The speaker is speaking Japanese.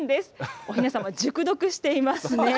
おひなさま、熟読していますね。